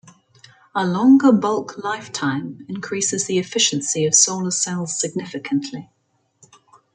A longer bulk lifetime increases the efficiency of solar cells significantly.